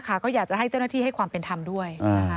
ก็อยากจะให้เจ้าหน้าที่ให้ความเป็นธรรมด้วย